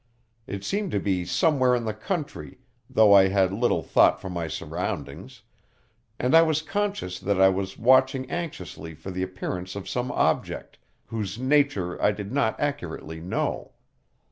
It seemed to be somewhere in the country, though I had little thought for my surroundings; and I was conscious that I was watching anxiously for the appearance of some object, whose nature I did not accurately know.